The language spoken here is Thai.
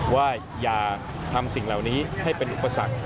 ว่าอย่าทำสิ่งเหล่านี้ให้เป็นอุปสรรค